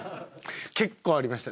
結構ありました。